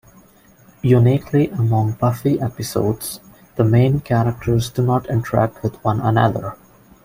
Uniquely among "Buffy" episodes, the main characters do not interact with one another.